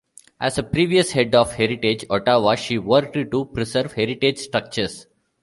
As a previous head of Heritage Ottawa she worked to preserve heritage structures.